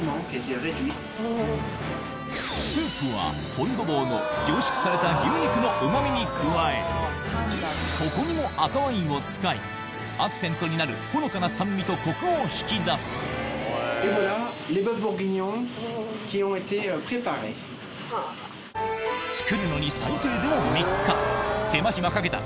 フォンドボーのに加えここにも赤ワインを使いアクセントになるほのかな酸味とコクを引き出す作るのに最低でも３日手間暇かけた